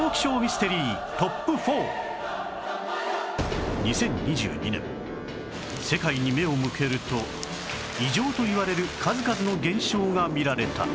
まずは２０２２年世界に目を向けると異常といわれる数々の現象が見られた